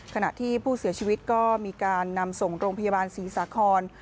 ขณะที่ผู้เสียชีวิตก็มีการนำส่งโรงพยาบาลศรีสาคร